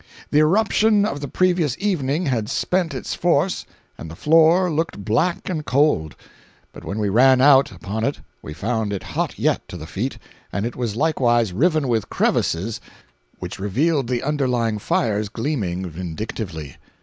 The irruption of the previous evening had spent its force and the floor looked black and cold; but when we ran out upon it we found it hot yet, to the feet, and it was likewise riven with crevices which revealed the underlying fires gleaming vindictively.